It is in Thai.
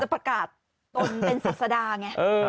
พุทธฟะกาทตนเป็นทรัสดาไง